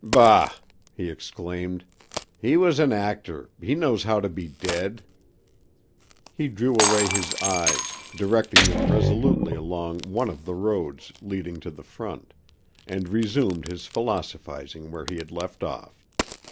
"Bah!" he exclaimed; "he was an actor—he knows how to be dead." He drew away his eyes, directing them resolutely along one of the roads leading to the front, and resumed his philosophizing where he had left off.